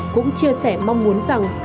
cũng chia sẻ mong muốn rằng